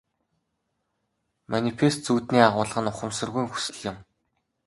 Манифест зүүдний агуулга нь ухамсаргүйн хүсэл юм.